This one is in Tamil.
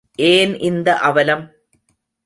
ஏன் இந்த அவலம்?